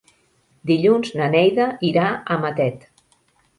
Dilluns na Neida irà a Matet.